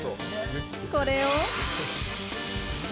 これを。